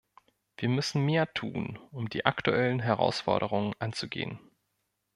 Wir müssen mehr tun, um die aktuellen Herausforderungen anzugehen.